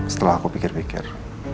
setelah aku pikir pikir